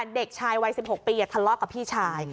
เด็กชายวัยสิบหกปีอ่ะทะเลาะกับพี่ชาย